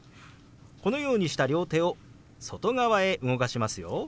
このようにした両手を外側へ動かしますよ。